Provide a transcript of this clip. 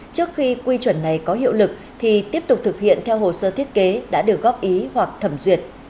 trước khi quy chuẩn này có hiệu lực thì tiếp tục thực hiện theo hồ sơ thiết kế đã được góp ý hoặc thẩm duyệt